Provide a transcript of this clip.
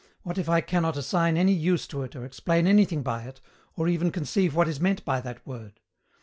what if I cannot assign any use to it or explain anything by it, or even conceive what is meant by that word?